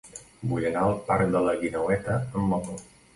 Vull anar al parc de la Guineueta amb moto.